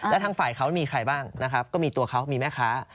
แล้วทางฝ่ายเขามีใครบ้างนะครับก็มีตัวเขามีแม่ค้า